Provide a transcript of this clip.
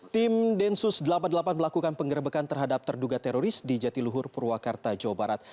tim densus delapan puluh delapan melakukan pengerebekan terhadap terduga teroris di jatiluhur purwakarta jawa barat